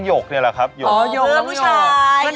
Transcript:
ไอ้หยกนี่แหละครับหยกอ๋อเหมือนผู้ชาย